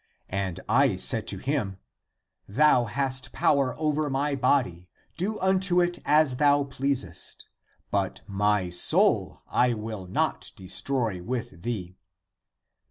And I said to him, Thou hast power over my body; do unto it as thou pleasest ; but my soul I will not de stroy with thee.